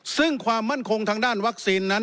ซึ่งความมั่นคงทางด้านวัคซีนนั้น